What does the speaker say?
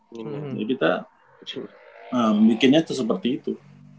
jadi kita bikinnya seperti itu